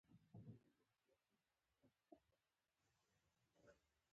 ستاسې لاشعور د هغه پر معادل حقيقت بدلوي.